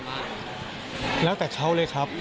แล้วแต่เขาเลยครับ